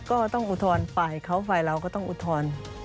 ก็ต้องอุทธรรณล์ไปไฟล์เขาไฟล์เราก็ต้องอุทธรณฮ์